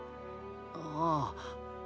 ああ。